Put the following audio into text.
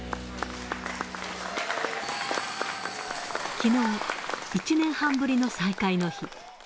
きのう、１年半ぶりの再会の日。